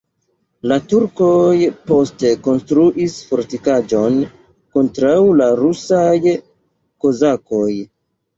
La turkoj poste konstruis fortikaĵon kontraŭ la rusaj kozakoj.